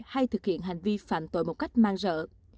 hay thực hiện hành vi phạm tội một cách mang rỡ